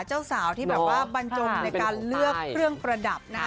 เจ้าสาวที่บรรจมในการเลือกเครื่องประดับนะ